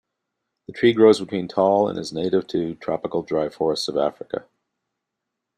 The tree grows between tall and is native to tropical dry forests of Africa.